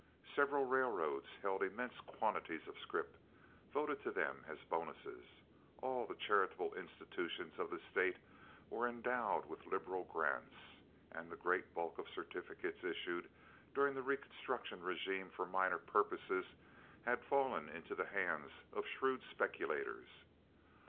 Several railroads held immense quantities of scrip voted to them as bonuses, all the charitable institutions of the State were endowed with liberal grants, and the great bulk of certificates issued during the Reconstruction régime for minor purposes had fallen into the hands of shrewd speculators.